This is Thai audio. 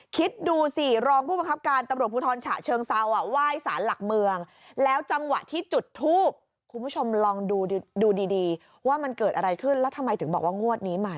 อ๋อนี่ตู้พี่เกลียดปากคือที่ทางเคราะห์เกาะนึงนะ